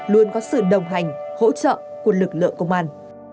luôn có sự đồng hành hỗ trợ của lực lượng công an